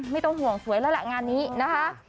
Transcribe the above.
ไม่ต้องห่วงสวยแล้วแหละงานนี้นะคะ